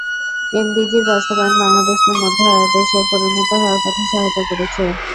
এমডিজির বাস্তবায়ন বাংলাদেশকে মধ্য আয়ের দেশে পরিণত হওয়ার পথে সহায়তা করেছে।